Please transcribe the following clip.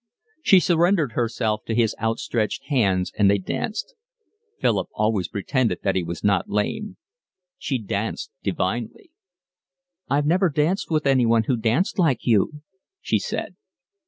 She surrendered herself to his outstretched hands and they danced. (Philip always pretended that he was not lame.) She danced divinely. "I've never danced with anyone who danced like you," she said.